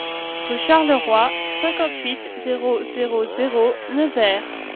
Rue Charles Roy, cinquante-huit, zéro zéro zéro Nevers